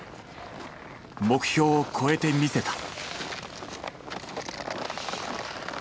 目標を超えてみせた。